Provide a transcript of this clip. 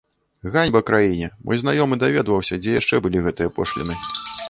Ганьба краіне, мой знаёмы даведваўся, дзе яшчэ былі гэтыя пошліны.